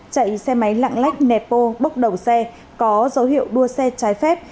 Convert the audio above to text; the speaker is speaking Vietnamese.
chạy xe máy lạng lách nẹp bô bốc đầu xe có dấu hiệu đua xe trái phép